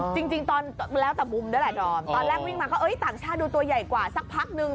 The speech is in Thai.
จริงตอนงานเขาแล้วว่าต่างชาติดูตัวใหญ่เกินกว่าสักผักหนึ่ง